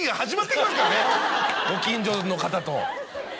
ご近所の方と。